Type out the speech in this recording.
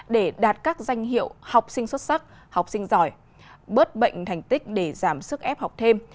để đạt các danh hiệu học sinh xuất sắc học sinh giỏi bớt bệnh thành tích để giảm sức ép học thêm